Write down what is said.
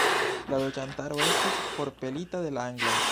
La loĝantaro estis forpelita de la angloj.